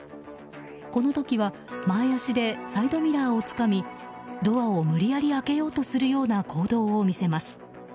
この時は前足でサイドミラーをつかみドアを無理やり開けようとするような行動を見せます。